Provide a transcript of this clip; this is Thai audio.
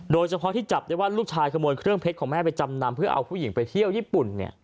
โดยเฉพาะที่จับได้ว่าลูกชายขโมยเครื่องเพชรของแม่ไปจำนำเพื่อเอาผู้หญิงไปเที่ยวญี่ปุ่น